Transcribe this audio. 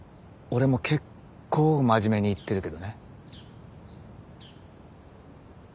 俺も結構真面目に言ってるけどね。